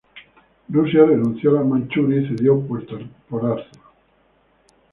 Rusia renunció a la Manchuria y cedió Puerto Arthur.